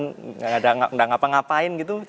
tidak ngapa ngapain gitu